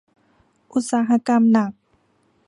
อุตสาหกรรมหนัก